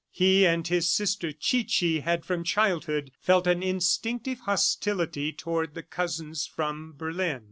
He and his sister Chichi had from childhood felt an instinctive hostility toward the cousins from Berlin.